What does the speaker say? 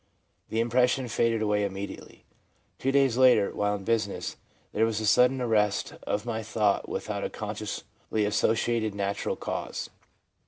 The impression faded away immediately. Two days later, while in business, there was a sudden arrest of my thought without a consciously associated natural cause.